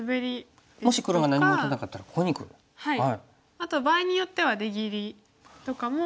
あと場合によっては出切りとかも。